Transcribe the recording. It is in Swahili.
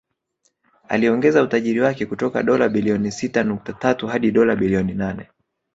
Aliongeza utajiri wake kutoka dola bilioni sita nukta tatu hadi dola bilioni nane